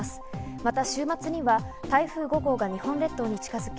また週末には台風５号が日本列島に近づき